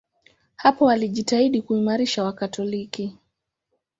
Hapo alijitahidi kuimarisha Wakatoliki.